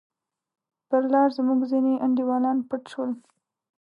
پر لار زموږ ځیني انډیوالان پټ شول.